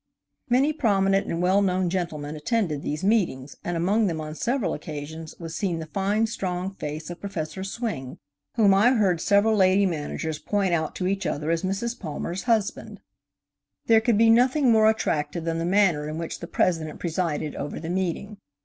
Many prominent and well known gentlemen attended "THE SWELL MEMBER." these meetings, and among them on several occasions was seen the fine strong face of Prof. Swing, whom I heard several lady managers point out to each other as Mrs. Palmer's husband. There could be nothing more attractive than the manner in which the President presided over the meeting.